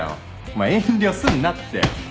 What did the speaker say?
お前遠慮すんなって！